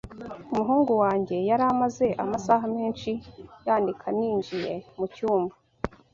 Umuhungu wanjye yari amaze amasaha menshi yandika ninjiye mucyumba.